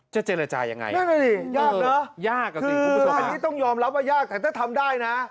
จะเจรจาอย่างไรคุณผู้ชมครับอันนี้ต้องยอมรับว่ายากแต่ถ้าทำได้นะ